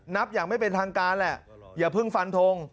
นับอย่างไม่เป็นทางการแหละอย่าเพิ่งฟันทง